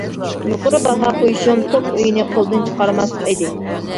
يۇقىرى باھا قويۇشۇم، توك ئۆيىنى قولدىن چىقارماسلىق ئىدى.